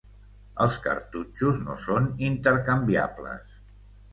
Els cartutxos no són intercanviables.